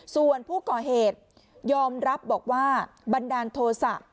ส่วนผู้ก่อเหตุยอมรับบอกว่าบันดาลโทษะ